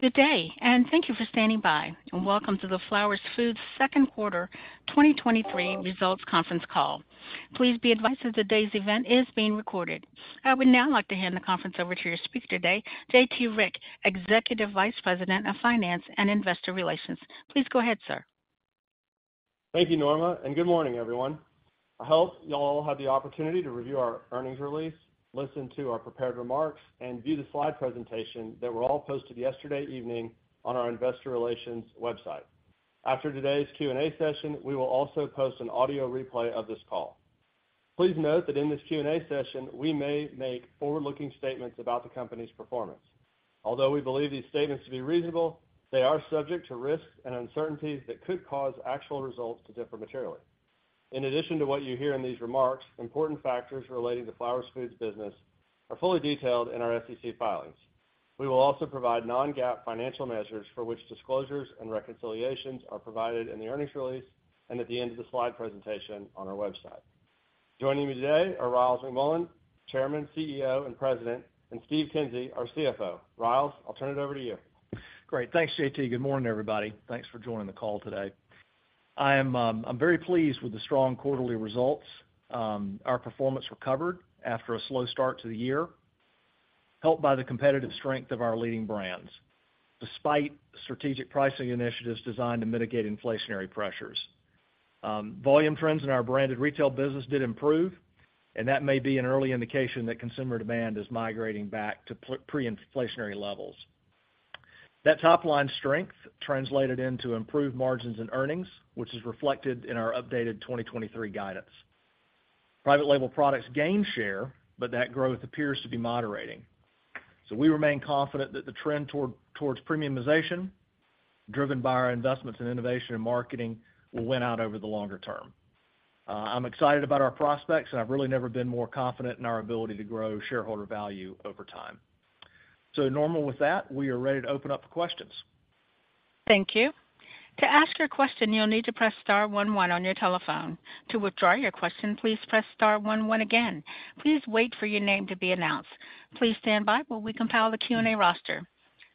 Good day, and thank you for standing by, and welcome to the Flowers Foods Second Quarter 2023 Results Conference Call. Please be advised that today's event is being recorded. I would now like to hand the conference over to your speaker today, J.T. Rieck, Executive Vice President of Finance and Investor Relations. Please go ahead, sir. Thank you, Norma. Good morning, everyone. I hope you all had the opportunity to review our earnings release, listen to our prepared remarks, and view the slide presentation that were all posted yesterday evening on our investor relations website. After today's Q&A session, we will also post an audio replay of this call. Please note that in this Q&A session, we may make forward-looking statements about the company's performance. Although we believe these statements to be reasonable, they are subject to risks and uncertainties that could cause actual results to differ materially. In addition to what you hear in these remarks, important factors relating to Flowers Foods business are fully detailed in our SEC filings. We will also provide non-GAAP financial measures for which disclosures and reconciliations are provided in the earnings release and at the end of the slide presentation on our website. Joining me today are Ryals McMullian, Chairman, CEO, and President, and Steven Kinsey, our CFO. Riles, I'll turn it over to you. Great. Thanks, JT. Good morning, everybody. Thanks for joining the call today. I am, I'm very pleased with the strong quarterly results. Our performance recovered after a slow start to the year, helped by the competitive strength of our leading brands, despite strategic pricing initiatives designed to mitigate inflationary pressures. Volume trends in our branded retail business did improve, and that may be an early indication that consumer demand is migrating back to pre-inflationary levels. That top line strength translated into improved margins and earnings, which is reflected in our updated 2023 guidance. Private label products gained share, that growth appears to be moderating. We remain confident that the trend towards premiumization, driven by our investments in innovation and marketing, will win out over the longer term. I'm excited about our prospects, and I've really never been more confident in our ability to grow shareholder value over time. Norma, with that, we are ready to open up for questions. Thank you. To ask your question, you'll need to press star one one on your telephone. To withdraw your question, please press star one one again. Please wait for your name to be announced. Please stand by while we compile the Q&A roster.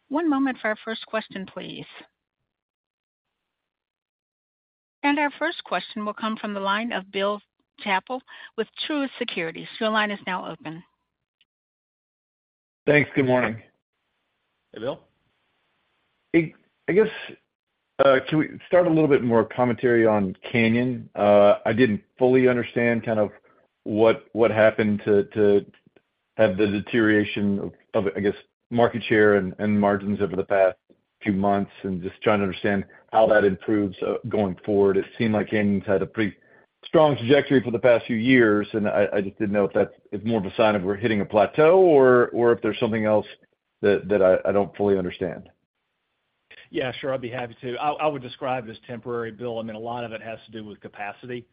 One moment for our first question, please. Our first question will come from the line of Bill Chappell with Truist Securities. Your line is now open. Thanks. Good morning. Hey, Bill. I, I guess, can we start a little bit more commentary on Canyon? I didn't fully understand kind of what, what happened to, to have the deterioration of, of, I guess, market share and, and margins over the past few months, and just trying to understand how that improves, going forward. It seemed like Canyon's had a pretty strong trajectory for the past few years, and I, I just didn't know if that's, if more of a sign of we're hitting a plateau or, or if there's something else that, that I, I don't fully understand. Yeah, sure. I'd be happy to. I, I would describe as temporary, Bill. I mean, a lot of it has to do with capacity.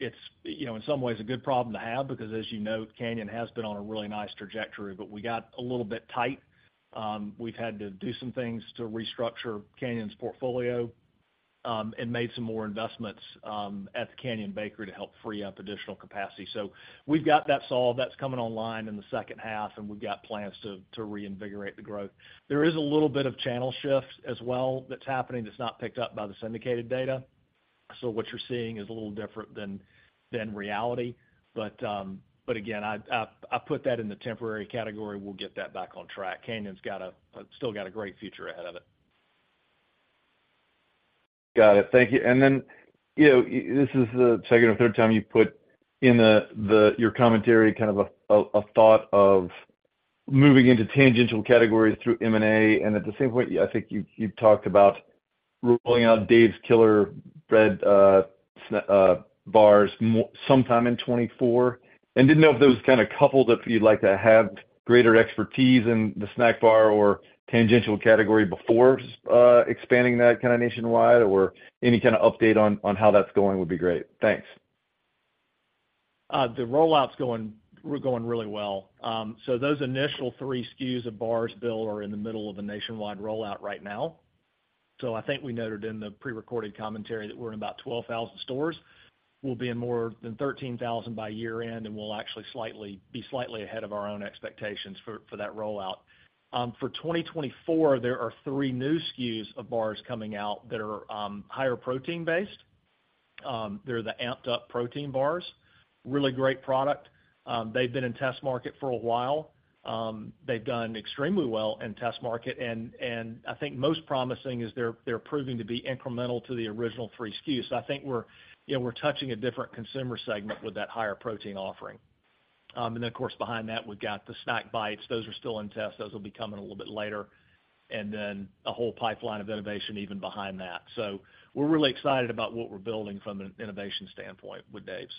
It's, you know, in some ways a good problem to have, because, as you know, Canyon has been on a really nice trajectory, but we got a little bit tight. We've had to do some things to restructure Canyon's portfolio, and made some more investments at the Canyon Bakery to help free up additional capacity. We've got that solved. That's coming online in the second half, and we've got plans to reinvigorate the growth. There is a little bit of channel shift as well that's happening that's not picked up by the syndicated data. What you're seeing is a little different than reality, but again, I, put that in the temporary category. We'll get that back on track. Canyon's got still got a great future ahead of it. Got it. Thank you. Then, you know, this is the second or third time you've put in the, the, your commentary, kind of a, a, a thought of moving into tangential categories through M&A. At the same point, I think you, you talked about rolling out Dave's Killer Bread Bars sometime in 2024. Didn't know if those kind of coupled, if you'd like to have greater expertise in the snack bar or tangential category before expanding that kind of nationwide, or any kind of update on, on how that's going would be great. Thanks. The rollout's going, we're going really well. Those initial 3 SKUs of bars, Bill, are in the middle of a nationwide rollout right now. I think we noted in the prerecorded commentary that we're in about 12,000 stores. We'll be in more than 13,000 by year-end, and we'll actually be slightly ahead of our own expectations for that rollout. For 2024, there are 3 new SKUs of bars coming out that are higher protein-based. They're the Amped-Up Protein Bars. Really great product. They've been in test market for a while. They've done extremely well in test market, and I think most promising is they're proving to be incremental to the original 3 SKUs. I think we're, you know, we're touching a different consumer segment with that higher protein offering. Of course, behind that, we've got the Snack Bites. Those are still in test. Those will be coming a little bit later, and then a whole pipeline of innovation even behind that. We're really excited about what we're building from an innovation standpoint with Dave's.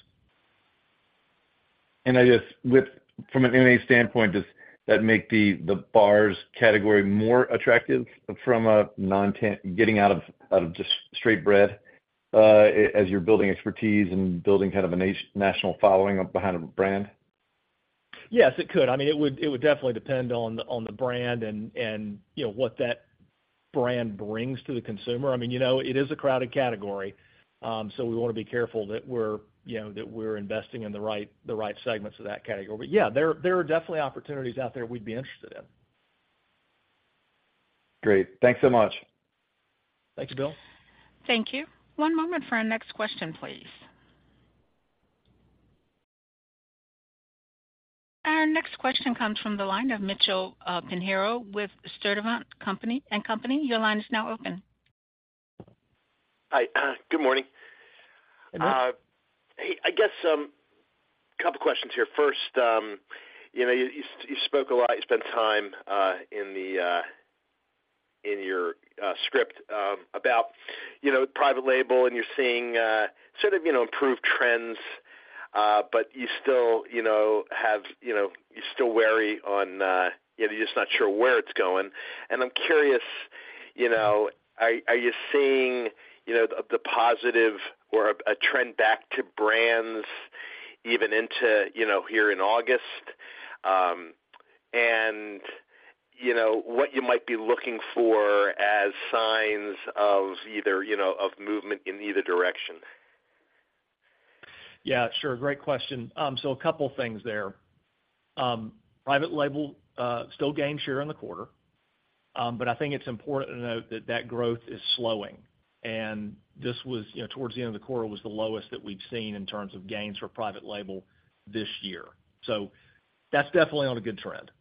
I just, from an M&A standpoint, does that make the, the bars category more attractive from a getting out of just straight bread, as you're building expertise and building kind of a national following up behind a brand? Yes, it could. I mean, it would, it would definitely depend on the, on the brand and, and, you know, what brand brings to the consumer. I mean, you know, it is a crowded category, so we want to be careful that we're, you know, that we're investing in the right, the right segments of that category. But yeah, there, there are definitely opportunities out there we'd be interested in. Great. Thanks so much. Thank you, Bill. Thank you. One moment for our next question, please. Our next question comes from the line of Mitchell Pinheiro with Sturdivant & Co. Your line is now open. Hi, good morning. Good morning. Hey, I guess, a couple questions here. First, you know, you, you spoke a lot, you spent time in the, in your script, about, you know, private label, and you're seeing, sort of, you know, improved trends, but you still, you know, have, you know, you're still wary on, you're just not sure where it's going. I'm curious, you know, are, are you seeing, you know, the positive or a, a trend back to brands even into, you know, here in August? And, you know, what you might be looking for as signs of either, you know, of movement in either direction? Yeah, sure. Great question. A couple things there. Private label still gained share in the quarter, but I think it's important to note that that growth is slowing, and this was, you know, towards the end of the quarter, was the lowest that we've seen in terms of gains for private label this year. That's definitely on a good trend.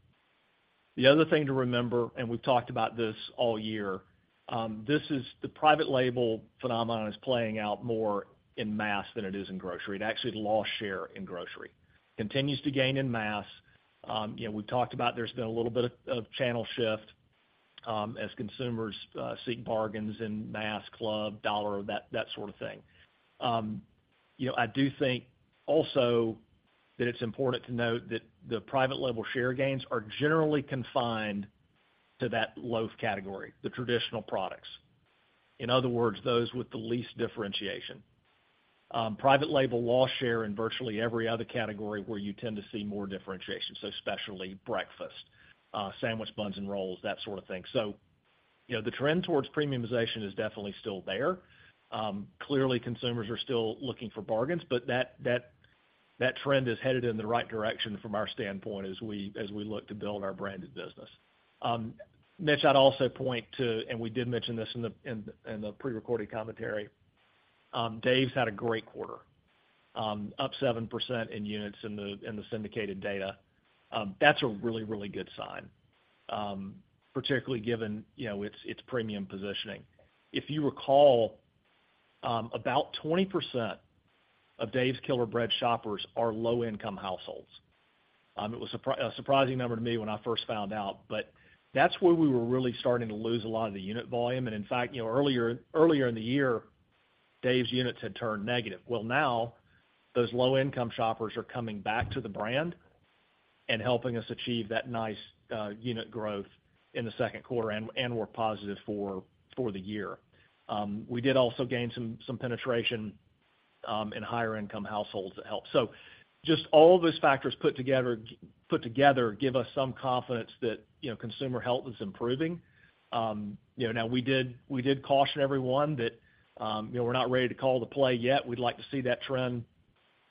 The other thing to remember, and we've talked about this all year, this is the private label phenomenon is playing out more in mass than it is in grocery. It actually lost share in grocery. Continues to gain in mass. You know, we've talked about there's been a little bit of, of channel shift, as consumers seek bargains in mass, club, dollar, that, that sort of thing. you know, I do think also that it's important to note that the private label share gains are generally confined to that loaf category, the traditional products. In other words, those with the least differentiation. Private label lost share in virtually every other category where you tend to see more differentiation, so specialty breakfast, sandwich buns and rolls, that sort of thing. you know, the trend towards premiumization is definitely still there. Clearly, consumers are still looking for bargains, but that, that, that trend is headed in the right direction from our standpoint as we, as we look to build our branded business. Mitch, I'd also point to, and we did mention this in the prerecorded commentary, Dave's had a great quarter, up 7% in units in the syndicated data. That's a really, really good sign, particularly given, you know, its, its premium positioning. If you recall, about 20% of Dave's Killer Bread shoppers are low-income households. It was a surprising number to me when I first found out, but that's where we were really starting to lose a lot of the unit volume. In fact, you know, earlier, earlier in the year, Dave's units had turned negative. Well, now, those low-income shoppers are coming back to the brand and helping us achieve that nice unit growth in the second quarter, and, and we're positive for, for the year. We did also gain some, some penetration in higher-income households that helped. Just all of those factors put together, put together, give us some confidence that, you know, consumer health is improving. You know, now we did, we did caution everyone that, you know, we're not ready to call the play yet. We'd like to see that trend,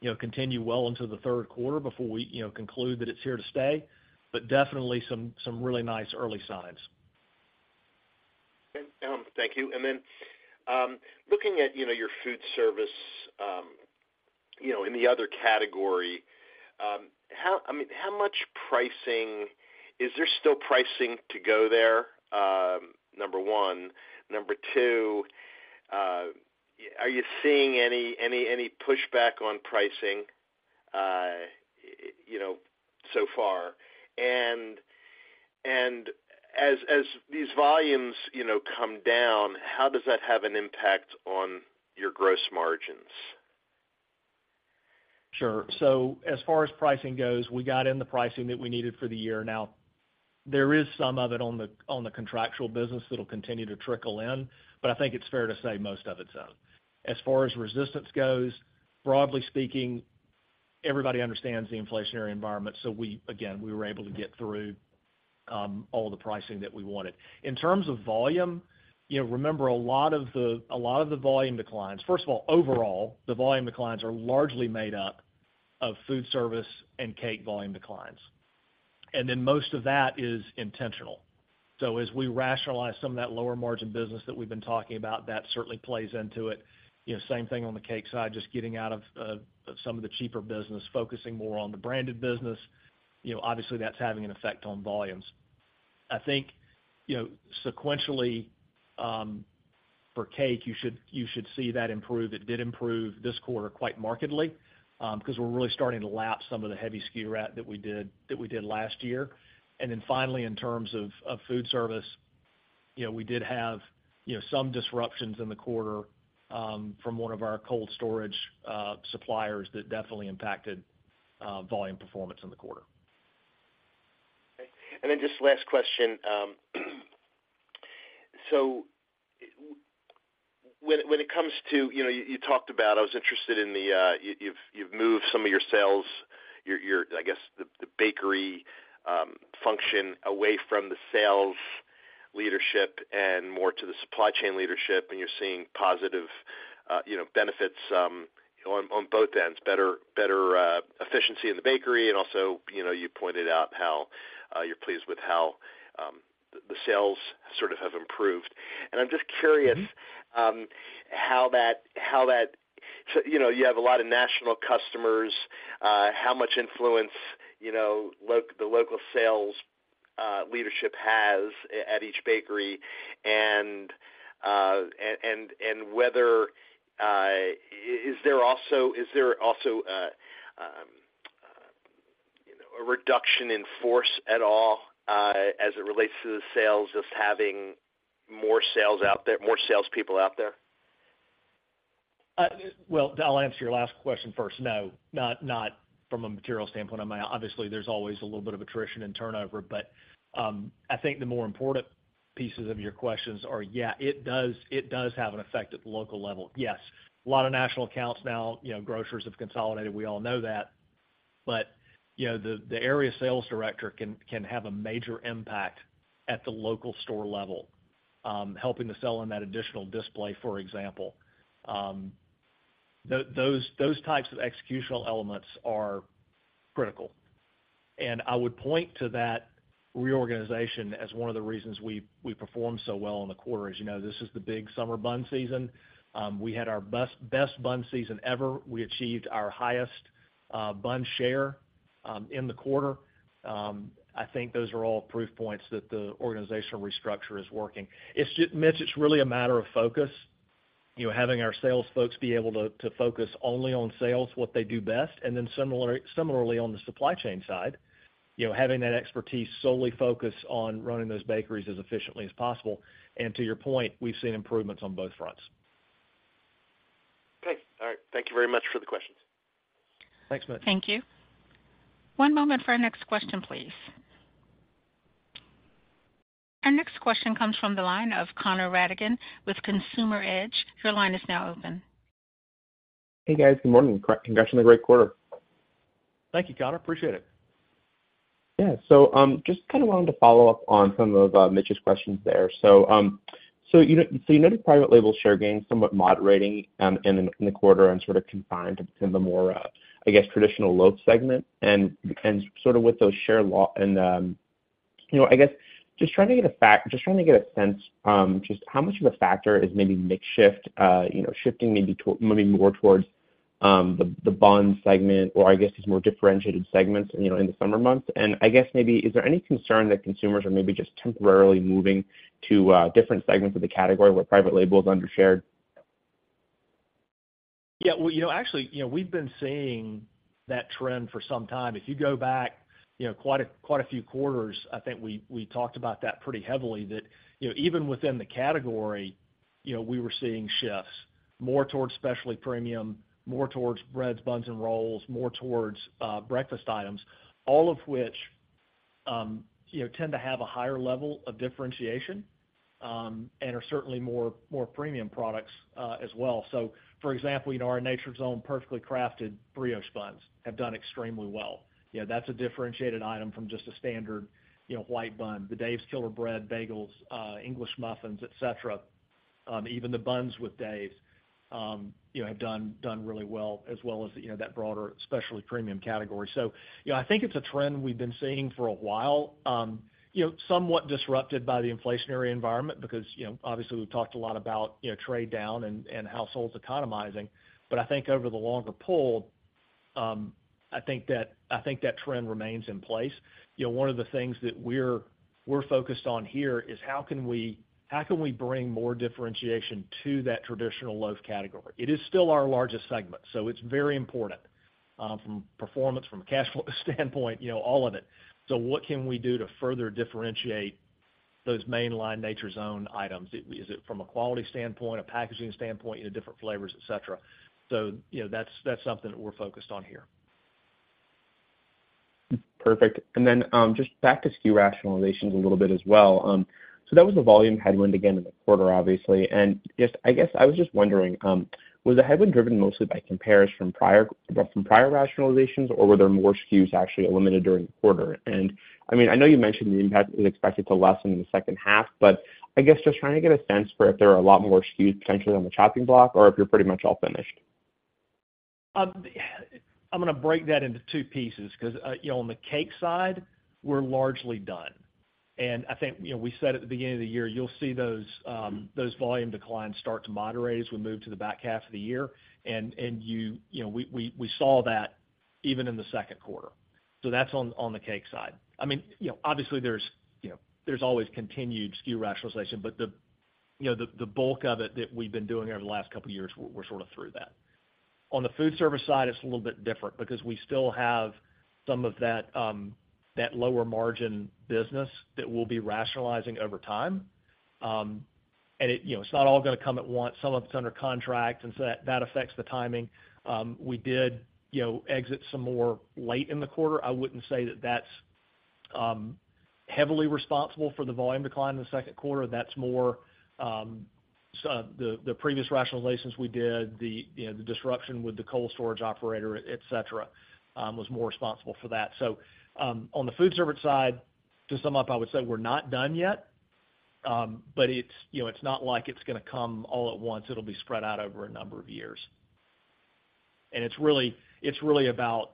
you know, continue well into the third quarter before we, you know, conclude that it's here to stay, but definitely some, some really nice early signs. Okay, thank you. Then, looking at, you know, your food service, you know, in the other category, how, I mean, how much pricing? Is there still pricing to go there? Number one. Number two, are you seeing any, any, any pushback on pricing, you know, so far? As, as these volumes, you know, come down, how does that have an impact on your gross margins? Sure. As far as pricing goes, we got in the pricing that we needed for the year. There is some of it on the, on the contractual business that'll continue to trickle in, but I think it's fair to say most of it's out. As far as resistance goes, broadly speaking, everybody understands the inflationary environment. We, again, we were able to get through all the pricing that we wanted. In terms of volume, you know, remember a lot of the, a lot of the volume declines. First of all, overall, the volume declines are largely made up of food service and cake volume declines. Most of that is intentional. As we rationalize some of that lower margin business that we've been talking about, that certainly plays into it. You know, same thing on the cake side, just getting out of, of, of some of the cheaper business, focusing more on the branded business, you know, obviously, that's having an effect on volumes. I think, you know, sequentially, for cake, you should, you should see that improve. It did improve this quarter quite markedly, because we're really starting to lap some of the heavy SKU rat that we did, that we did last year. Then finally, in terms of, of food service, you know, we did have, you know, some disruptions in the quarter, from one of our cold storage, suppliers that definitely impacted, volume performance in the quarter. Okay. Just last question. When it comes to, you know, you, you talked about, I was interested in the, you, you've, you've moved some of your sales, your, your, I guess, the, the bakery function away from the sales leadership and more to the supply chain leadership, and you're seeing positive, you know, benefits on both ends, better, better efficiency in the bakery. Also, you know, you pointed out how you're pleased with how the sales sort of have improved. I'm just curious, how that so, you know, you have a lot of national customers, how much influence, you know, the local sales, leadership has at each bakery, and, and, and, and whether, is there also, is there also a, you know, a reduction in force at all, as it relates to the sales, just having more sales out there, more salespeople out there? Well, I'll answer your last question first. No, not, not from a material standpoint. I mean, obviously, there's always a little bit of attrition and turnover, but, I think the more important pieces of your questions are, yeah, it does, it does have an effect at the local level. Yes, a lot of national accounts now, you know, grocers have consolidated, we all know that. You know, the area sales director can, can have a major impact at the local store level, helping to sell on that additional display, for example. Those, those types of executional elements are critical. I would point to that reorganization as one of the reasons we, we performed so well in the quarter. As you know, this is the big summer bun season. We had our best, best bun season ever. We achieved our highest bun share in the quarter. I think those are all proof points that the organizational restructure is working. It's just, Mitch, it's really a matter of focus, you know, having our sales folks be able to focus only on sales, what they do best, and then similarly, similarly on the supply chain side, you know, having that expertise solely focused on running those bakeries as efficiently as possible. To your point, we've seen improvements on both fronts. Okay, all right. Thank you very much for the questions. Thanks, Mitch. Thank you. One moment for our next question, please. Our next question comes from the line of Conor Ratigan with Consumer Edge. Your line is now open. Hey, guys. Good morning. Congrats on the great quarter. Thank you, Conor. Appreciate it. Yeah. Just kind of wanted to follow up on some of Mitch's questions there. You noted private label share gains somewhat moderating in the quarter and sort of confined to the more, I guess, traditional loaf segment, and, and sort of with those share and, you know, I guess, just trying to get a sense, just how much of a factor is maybe mix shift, you know, shifting maybe more towards the bun segment or I guess, these more differentiated segments, you know, in the summer months? I guess maybe, is there any concern that consumers are maybe just temporarily moving to different segments of the category where private label is under-shared? Yeah, well, you know, actually, you know, we've been seeing that trend for some time. If you go back, you know, quite a, quite a few quarters, I think we, we talked about that pretty heavily, that, you know, even within the category, you know, we were seeing shifts more towards specialty premium, more towards breads, buns, and rolls, more towards breakfast items. All of which, you know, tend to have a higher level of differentiation, and are certainly more, more premium products as well. For example, you know, our Nature's Own Perfectly Crafted Brioche Buns have done extremely well. You know, that's a differentiated item from just a standard, you know, white bun. The Dave's Killer Bread, bagels, English muffins, et cetera, even the buns with Dave's, you know, have done, done really well, as well as, you know, that broader specialty premium category. I think over the longer pull, I think that, I think that trend remains in place. You know, one of the things that we're, we're focused on here is how can we, how can we bring more differentiation to that traditional loaf category? It is still our largest segment, so it's very important, from performance, from a cash flow standpoint, you know, all of it. What can we do to further differentiate those mainline Nature's Own items? Is it from a quality standpoint, a packaging standpoint, different flavors, et cetera? You know, that's, that's something that we're focused on here. Perfect. Just back to SKU rationalizations a little bit as well. That was a volume headwind again in the quarter, obviously. Just I guess, I was just wondering, was the headwind driven mostly by compares from prior, from prior rationalizations, or were there more SKUs actually eliminated during the quarter? I mean, I know you mentioned the impact is expected to lessen in the second half, but I guess just trying to get a sense for if there are a lot more SKUs potentially on the chopping block or if you're pretty much all finished. I'm gonna break that into two pieces because, you know, on the cake side, we're largely done. I think, you know, we said at the beginning of the year, you'll see those volume declines start to moderate as we move to the back half of the year. You know, we saw that even in the second quarter. That's on the cake side. I mean, you know, obviously, there's, you know, there's always continued SKU rationalization, but you know, the bulk of it that we've been doing over the last couple of years, we're sort of through that. On the food service side, it's a little bit different because we still have some of that lower margin business that we'll be rationalizing over time. It, you know, it's not all gonna come at once. Some of it's under contract, and so that, that affects the timing. We did, you know, exit some more late in the quarter. I wouldn't say that that's heavily responsible for the volume decline in the second quarter. That's more, so the previous rationalizations we did, the, you know, the disruption with the cold storage operator, et cetera, was more responsible for that. On the food service side, to sum up, I would say we're not done yet, but it's, you know, it's not like it's gonna come all at once. It'll be spread out over a number of years. It's really, it's really about,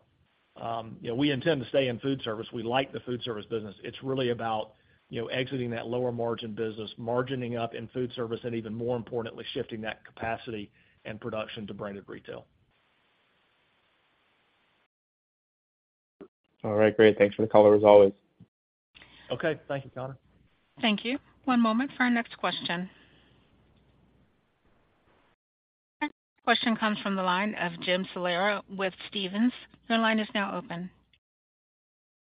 you know, we intend to stay in food service. We like the food service business. It's really about, you know, exiting that lower margin business, margining up in food service, and even more importantly, shifting that capacity and production to branded retail. All right, great. Thanks for the color, as always. Okay. Thank you, Connor. Thank you. One moment for our next question. Next question comes from the line of Jim Salera with Stephens. Your line is now open.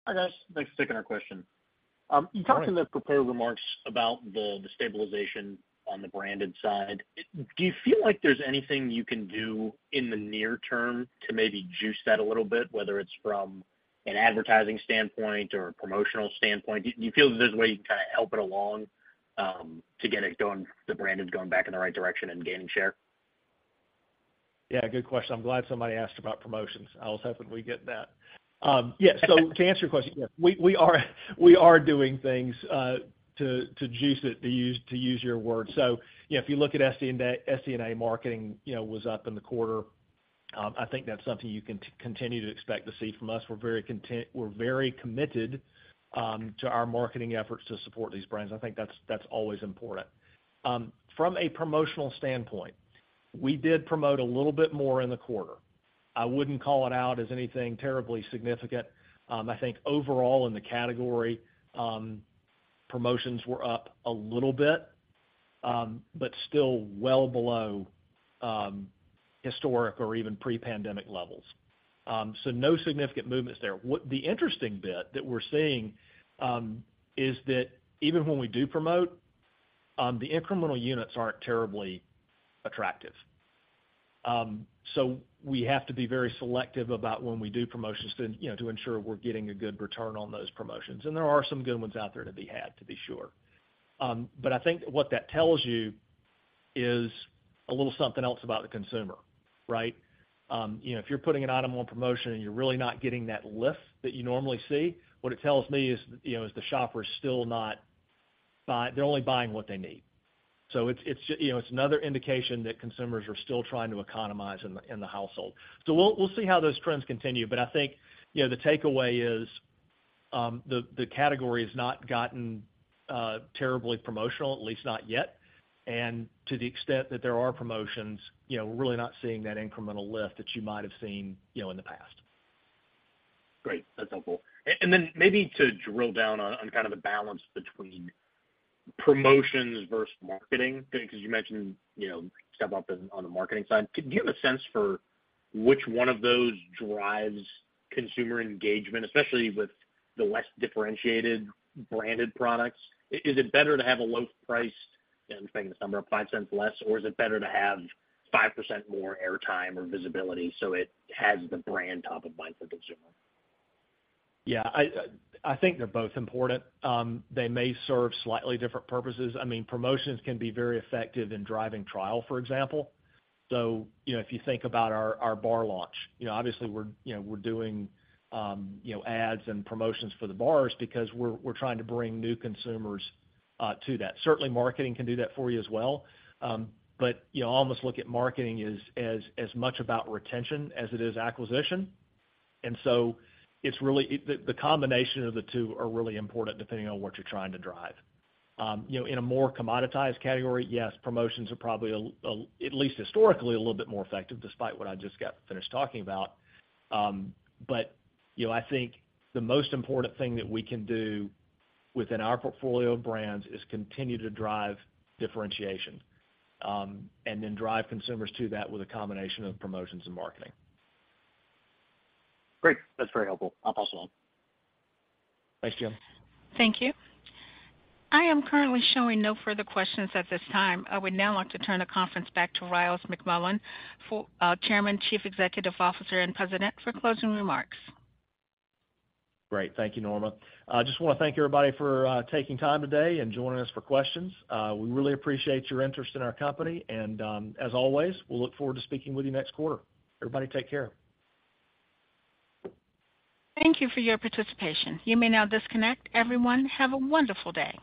Hi, guys. Thanks for taking our question. You talked in the prepared remarks about the, the stabilization on the branded side. Do you feel like there's anything you can do in the near term to maybe juice that a little bit, whether it's from an advertising standpoint or a promotional standpoint? Do you feel that there's a way you can kind of help it along to get it going, the branded going back in the right direction and gaining share? Yeah, good question. I'm glad somebody asked about promotions. I was hoping we'd get that. Yeah, to answer your question, yeah, we, we are, we are doing things to, to juice it, to use, to use your word. You know, if you look at SD&A marketing, you know, was up in the quarter. I think that's something you can continue to expect to see from us. We're very committed to our marketing efforts to support these brands. I think that's, that's always important. From a promotional standpoint, we did promote a little bit more in the quarter. I wouldn't call it out as anything terribly significant. I think overall in the category, promotions were up a little bit, but still well below historic or even pre-pandemic levels. No significant movements there. The interesting bit that we're seeing, is that even when we do promote, the incremental units aren't terribly attractive. We have to be very selective about when we do promotions to, you know, to ensure we're getting a good return on those promotions. There are some good ones out there to be had, to be sure. I think what that tells you is a little something else about the consumer, right? You know, if you're putting an item on promotion and you're really not getting that lift that you normally see, what it tells me is, you know, is the shopper is still not they're only buying what they need. It's, it's, you know, it's another indication that consumers are still trying to economize in the, in the household. We'll, we'll see how those trends continue, but I think, you know, the takeaway is, the, the category has not gotten, terribly promotional, at least not yet. To the extent that there are promotions, you know, we're really not seeing that incremental lift that you might have seen, you know, in the past. Great. That's helpful. Then maybe to drill down on, on kind of the balance between promotions versus marketing, because you mentioned, you know, step up on the marketing side. Do you have a sense for which one of those drives consumer engagement, especially with the less differentiated branded products? Is it better to have a low price than, say, 5 cents less, or is it better to have 5% more airtime or visibility, so it has the brand top of mind for consumer? Yeah, I think they're both important. They may serve slightly different purposes. I mean, promotions can be very effective in driving trial, for example. You know, if you think about our, our bar launch, you know, obviously, we're, you know, we're doing, you know, ads and promotions for the bars because we're, we're trying to bring new consumers to that. Certainly, marketing can do that for you as well. But, you know, I almost look at marketing as, as, as much about retention as it is acquisition. It's really. The combination of the two are really important, depending on what you're trying to drive. You know, in a more commoditized category, yes, promotions are probably at least historically, a little bit more effective, despite what I just got finished talking about. You know, I think the most important thing that we can do within our portfolio of brands is continue to drive differentiation, and then drive consumers to that with a combination of promotions and marketing. Great. That's very helpful. I'll pass it on. Thanks, Jim. Thank you. I am currently showing no further questions at this time. I would now like to turn the conference back to Ryals McMullian, Chairman, Chief Executive Officer, and President, for closing remarks. Great. Thank you, Norma. I just wanna thank everybody for taking time today and joining us for questions. We really appreciate your interest in our company, and as always, we'll look forward to speaking with you next quarter. Everybody, take care. Thank you for your participation. You may now disconnect. Everyone, have a wonderful day!